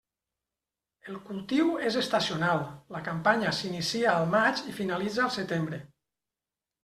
El cultiu és estacional, la campanya s'inicia al maig i finalitza al setembre.